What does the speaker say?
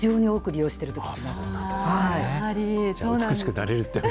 美しくなれる。